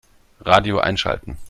Radio einschalten.